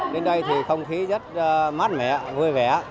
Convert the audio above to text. đến đây thì không khí rất mát mẻ vui vẻ